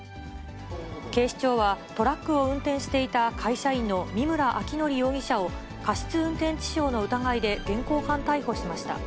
警視庁は、トラックを運転していた会社員の見村彰紀容疑者を過失運転致傷の疑いで現行犯逮捕しました。